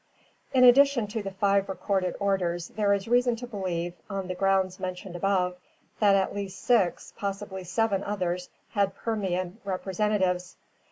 In addition to the five recorded orders there is reason to believe, on the grounds mentioned above, that at least six, possibly seven others had Permian representatives.